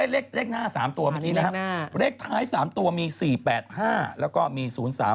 เลขหน้า๓ตัวเลขท้าย๓ตัวมี๔๘๕แล้วก็มี๐๓๖๒